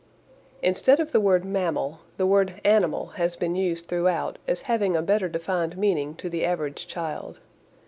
Instead of the word mammal, the word animal has been used throughout as having a better defined meaning to the average child.